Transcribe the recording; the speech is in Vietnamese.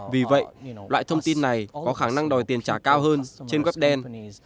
vì vậy loại thông tin này có khả năng đòi tiền trả cao hơn trên web đen